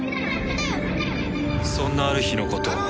そんなある日のこと。